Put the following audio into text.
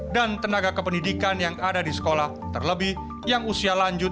dan tenaga kependidikan yang ada di sekolah terlebih yang usia lanjut